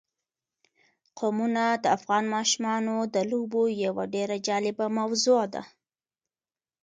قومونه د افغان ماشومانو د لوبو یوه ډېره جالبه موضوع ده.